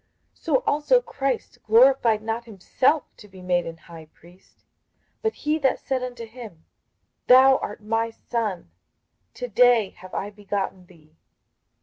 58:005:005 So also Christ glorified not himself to be made an high priest; but he that said unto him, Thou art my Son, to day have I begotten thee.